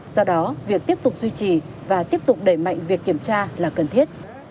do đó việc tiếp tục duy trì và tiếp tục đẩy mạnh việc kiểm tra là cần thiết